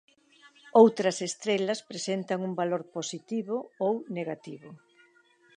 Outras estrelas presentan un valor positivo ou negativo.